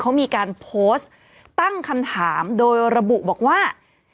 เขามีการโพสต์ตั้งคำถามโดยระบุบอกว่า